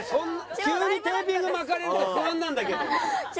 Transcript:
急にテーピング巻かれると不安なんだけど。